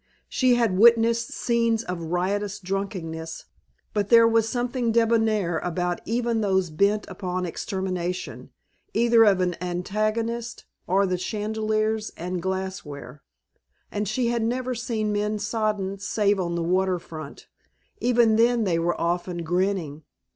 She had witnessed scenes of riotous drunkenness, but there was something debonair about even those bent upon extermination, either of an antagonist or the chandeliers and glass ware, and she had never seen men sodden save on the water front. Even then they were often grinning.